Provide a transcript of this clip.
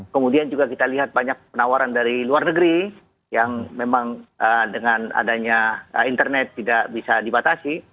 kemudian juga kita lihat banyak penawaran dari luar negeri yang memang dengan adanya internet tidak bisa dibatasi